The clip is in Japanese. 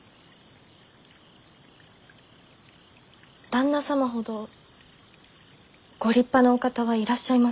旦那様ほどご立派なお方はいらっしゃいません。